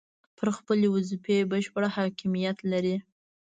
پر خپلې وظیفې بشپړ حاکمیت لري.